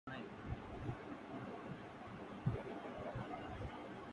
The case was discussed in the British House of Commons.